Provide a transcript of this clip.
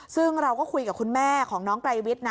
ซึ่งเราก็คุยกับคุณแม่ของน้องไกรวิทย์นะ